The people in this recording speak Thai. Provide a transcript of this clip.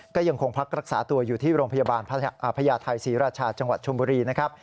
ก็ยังคงพักรักษาตัวอยู่ที่โรงพยาบาลพญาไทยศรีราชาจังหวัดชมบุรีนะครับ